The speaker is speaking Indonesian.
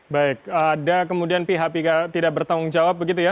baik ada kemudian pihak pihak tidak bertanggung jawab begitu ya